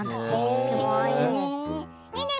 すごいね。